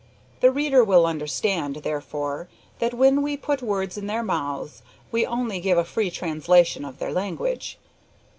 The reader will understand, therefore, that when we put words in their mouths we only give a free translation of their language.